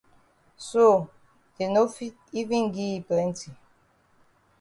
So dey no fit even gi yi plenti.